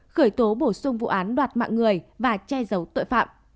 khởi tố bổ sung vụ án đoạt mạng người và che giấu tội phạm